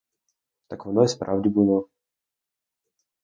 Так воно і справді було.